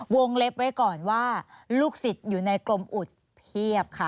วงเล็บไว้ก่อนว่าลูกศิษย์อยู่ในกรมอุดเพียบค่ะ